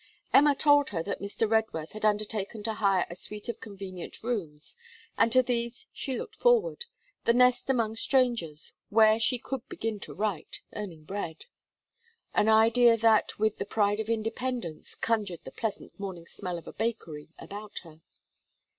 Emma told her that Mr. Redworth had undertaken to hire a suite of convenient rooms, and to these she looked forward, the nest among strangers, where she could begin to write, earning bread: an idea that, with the pride of independence, conjured the pleasant morning smell of a bakery about her.